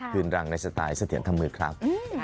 คืนรังในสไตล์เสถียรธรรมมือครับ